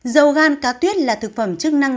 dầu gan cá tuyết là thực phẩm chức năng